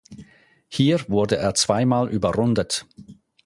Hier wurde er zweimal überrundet.